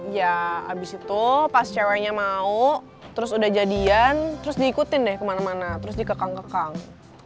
ya abis itu pas ceweknya mau terus udah jadian terus diikutin deh kemana mana terus dikekang kekang